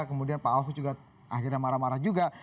kemudian pak ahok juga akhirnya marah marah juga